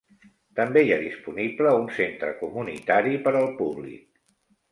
També hi ha disponible un centre comunitari per al públic.